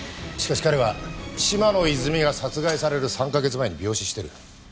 しかし彼は嶋野泉水が殺害される３カ月前に病死してる。